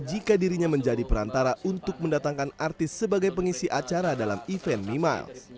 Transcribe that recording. jika dirinya menjadi perantara untuk mendatangkan artis sebagai pengisi acara dalam event mimiles